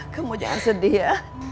kamu jangan sedih ya